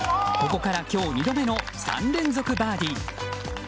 ここから今日二度目の３連続バーディー。